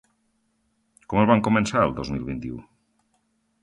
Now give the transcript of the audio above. Com el vam començar, el dos mil vint-i-u?